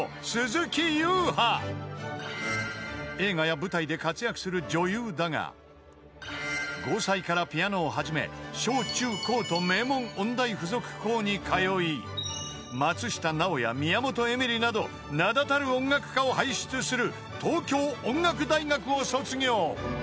［映画や舞台で活躍する女優だが５歳からピアノを始め小中高と名門音大付属校に通い松下奈緒や宮本笑里など名だたる音楽家を輩出する東京音楽大学を卒業］